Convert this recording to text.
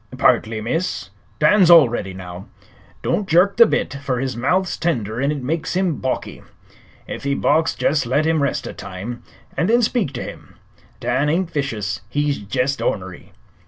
"Partly, miss. Dan's already now. Don't jerk the bit, fer his mouth's tender an' it makes him balky. Ef he balks jest let him rest a time, an' then speak to him. Dan ain't vicious; he's jest ornery."